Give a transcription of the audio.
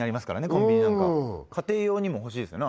コンビニなんかは家庭用にも欲しいですよね